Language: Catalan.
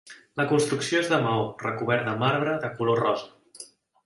La construcció és de maó, recobert de marbre de color rosa.